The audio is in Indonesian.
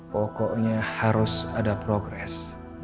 pokoknya harus ada progres